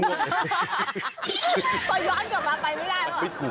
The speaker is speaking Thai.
พอย้อนกลับมาไปไม่ได้แล้ว